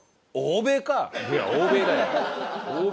いや欧米だよ。